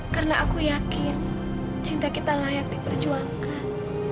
karena aku yakin cinta kita layak diperjuangkan